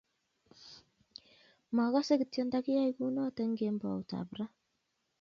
Mokose kityo ndakiyai kunoto eng kemboutab ra